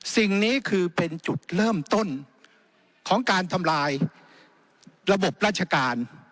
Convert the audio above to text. สิ่งนี้คือเป็นจุดเริ่มต้นของการทำลายระบบราชการ